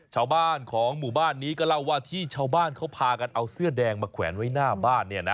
ชาวบ้านของหมู่บ้านนี้ก็เล่าว่าที่ชาวบ้านเขาพากันเอาเสื้อแดงมาแขวนไว้หน้าบ้าน